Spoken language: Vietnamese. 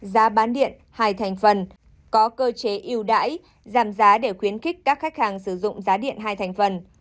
giá bán điện hai thành phần có cơ chế yêu đãi giảm giá để khuyến khích các khách hàng sử dụng giá điện hai thành phần